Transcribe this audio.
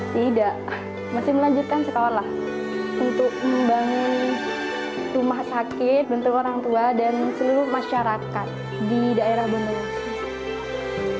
tidak masih melanjutkan sekolah untuk membangun rumah sakit bentuk orang tua dan seluruh masyarakat di daerah bendungan